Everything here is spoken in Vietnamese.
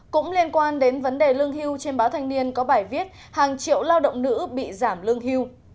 cũng liên quan đến vấn đề lương hưu trên báo thanh niên có bài viết hàng triệu lao động nữ bị giảm lương hưu